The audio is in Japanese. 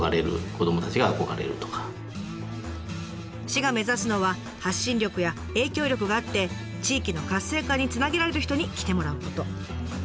市が目指すのは発信力や影響力があって地域の活性化につなげられる人に来てもらうこと。